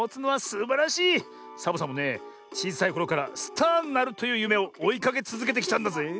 サボさんもねちいさいころからスターになるというゆめをおいかけつづけてきたんだぜえ。